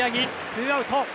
ツーアウト。